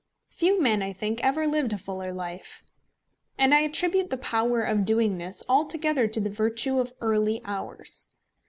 Few men, I think, ever lived a fuller life. And I attribute the power of doing this altogether to the virtue of early hours.